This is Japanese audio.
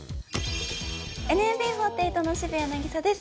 ＮＭＢ４８の渋谷凪咲です。